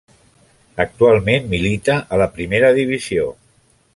Actualment milita a la Primera Divisió.